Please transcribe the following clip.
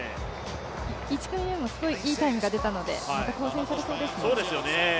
１組目もすごい、いいタイムが出たのでまた更新されますかね。